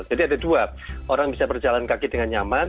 jadi ada dua orang bisa berjalan kaki dengan nyaman